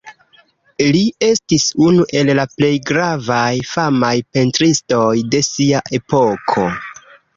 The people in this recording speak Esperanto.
Li estis unu el la plej gravaj famaj pentristoj de sia epoko.